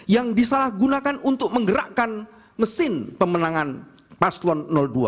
yang disalahgunakan untuk menggerakkan mesin pemenangan paslon dua